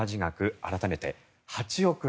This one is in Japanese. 改めて８億円。